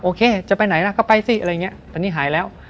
จะไปไหนล่ะก็ไปสิอะไรอย่างนี้ตอนนี้หายแล้ว